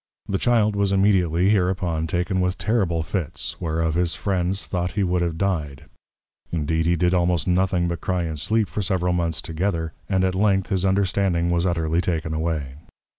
The Child was immediately, hereupon, taken with terrible Fits, whereof his Friends thought he would have dyed: Indeed he did almost nothing but Cry and Sleep for several Months together; and at length his Understanding was utterly taken away.